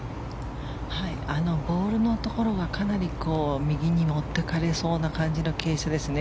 ボールのところがかなり右に持っていかれそうな感じの傾斜ですね。